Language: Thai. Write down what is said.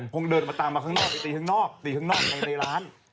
คงเดินมาตามมาข้างนอกไปตีข้างนอกตีข้างนอกภายในร้าน